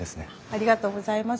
ありがとうございます。